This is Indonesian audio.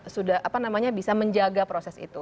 sudah apa namanya bisa menjaga proses itu